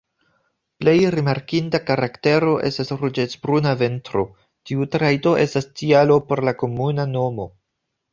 Plej rimarkinda karaktero estas ruĝecbruna ventro, tiu trajto estas tialo por la komuna nomo.